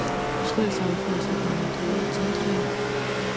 მსხვილი სამეცნიერო-საგანმანათლებლო ცენტრია.